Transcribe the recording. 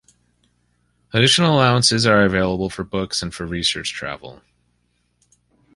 Additional allowances are available for books and for research travel.